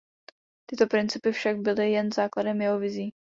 Tyto principy však byly jen základem jeho vizí.